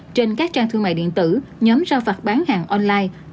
trên các trang thương mại điện tử nhóm giao phạt bán hàng online